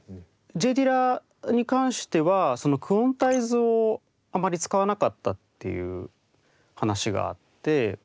Ｊ・ディラに関してはそのクオンタイズをあまり使わなかったっていう話があって。